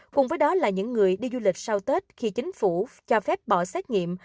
cùng với đó là những người đi du lịch sau tết khi chính phủ cho phép bỏ xét nghiệm